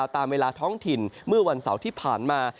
ตามเวลาท้องถิ่นเมื่อวันเสาร์ที่ผ่านมา